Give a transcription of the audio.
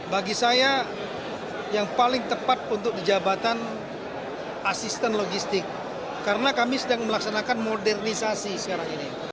bagi saya yang paling tepat untuk di jabatan asisten logistik karena kami sedang melaksanakan modernisasi sekarang ini